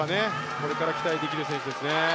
これから期待できる選手ですね。